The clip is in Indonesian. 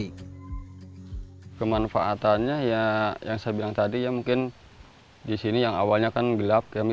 kemanfaatannya ya yang saya bilang tadi ya mungkin disini yang awalnya kan gelap kami